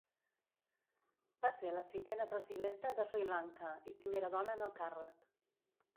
Va ser la cinquena presidenta de Sri Lanka i primera dona en el càrrec.